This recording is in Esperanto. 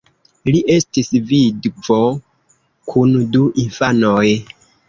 Li estis vidvo kun du infanoj.